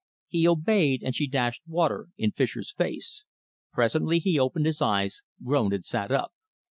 He obeyed, and she dashed water in Fischer's face. Presently he opened his eyes, groaned and sat up.